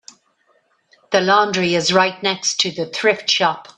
The laundry is right next to the thrift shop.